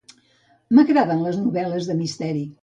M'agraden les novel·les de misteri.